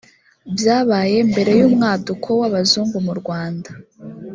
byabaye mbere y’umwaduko w’abazungu mu rwanda